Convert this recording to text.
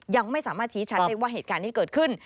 ยังไม่สามารถชี้ชัดได้ว่าเหตุการณ์ที่เกิดขึ้น